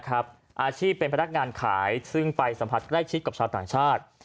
อาชีพเป็นพนักงานขายซึ่งไปสัมผัสใกล้ชิดกับชาวต่างชาติ